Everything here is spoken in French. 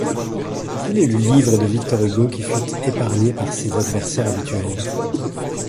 Quel est le livre de Victor Hugo qui fut épargné par ses adversaires habituels?